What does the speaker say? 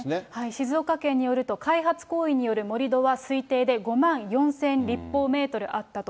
静岡県によると、開発行為による盛り土は、推定で５万４０００立方メートルあったと。